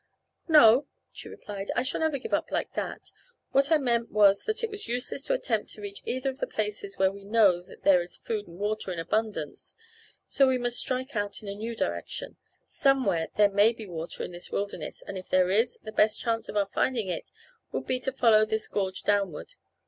"No," she replied, "I shall never give up like that. What I meant was that it was useless to attempt to reach either of the places where we know that there is food and water in abundance, so we must strike out in a new direction. Somewhere there may be water in this wilderness and if there is, the best chance of our finding it would be to follow this gorge downward.